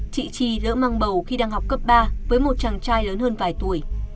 chị chi lỡ mang bầu khi đang học cấp ba với một chàng trai lớn hơn vài tuổi